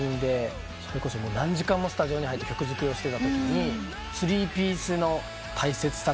それこそ何時間もスタジオに入って曲作りをしてたときにスリーピースの大切さというか。